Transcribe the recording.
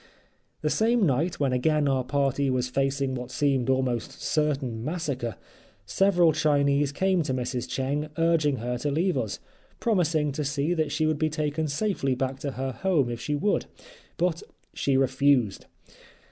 That same night when again our party was facing what seemed almost certain massacre, several Chinese came to Mrs. Cheng urging her to leave us, promising to see that she would be taken safely back to her home if she would, but she refused.